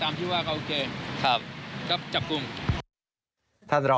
งั้นก็ตามที่ว่าล่ะครับ